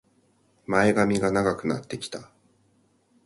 前髪が長くなってきた